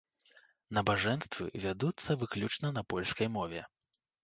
Набажэнствы вядуцца выключана на польскай мове.